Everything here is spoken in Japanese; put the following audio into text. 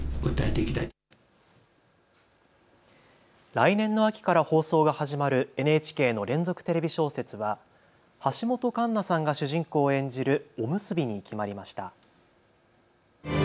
来年の秋から放送が始まるＮＨＫの連続テレビ小説は橋本環奈さんが主人公を演じるおむすびに決まりました。